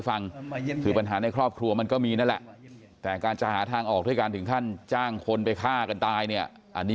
เพื่อให้กลัวปลัวก็เป็นทุกอย่างนี้